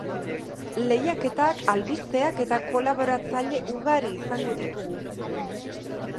Lehiaketak, albisteak eta kolaboratzaile ugari izango ditugu.